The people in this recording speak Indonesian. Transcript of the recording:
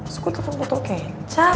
sekutu butuh kecap